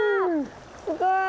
すごい。